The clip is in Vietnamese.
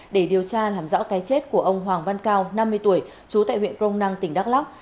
để điều tra làm rõ cái chết của ông hoàng văn cao năm mươi tuổi chú tại huyện công năng tỉnh đắk lóc